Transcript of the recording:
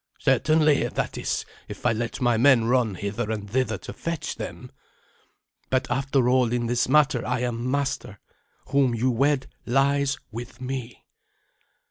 "Certainly that is, if I let my men run hither and thither to fetch them. But after all, in this matter I am master. Whom you wed lies with me."